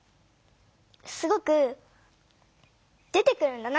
すごく出てくるんだな！